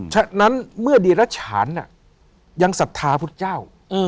ฉะนั้นเมื่อดีรัชฉานยังศรัทธาพุทธเจ้า